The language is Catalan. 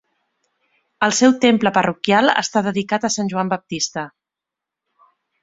El seu temple parroquial està dedicat a Sant Joan Baptista.